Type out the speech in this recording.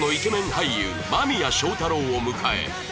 俳優間宮祥太朗を迎え